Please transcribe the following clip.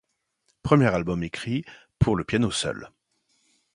Premier album écrit pour le piano seul.